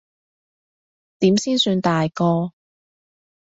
點先算大個？